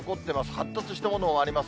発達したものもあります。